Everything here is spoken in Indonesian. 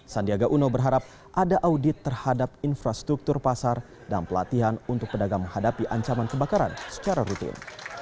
sandiaga uno berharap ada audit terhadap infrastruktur pasar dan pelatihan untuk pedagang menghadapi ancaman kebakaran secara rutin